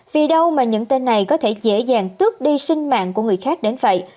vì đâu mà những tên này có thể dễ dàng tước đi sinh mạng của người khác đến vậy